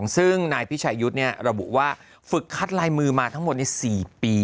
ซึ่งนายพิชายุทธ์ระบุว่าฝึกคัดลายมือมาทั้งหมดใน๔ปี